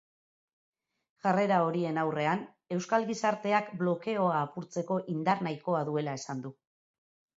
Jarrera horien aurrean, euskal gizarteak blokeoa apurtzeko indar nahikoa duela esaten du.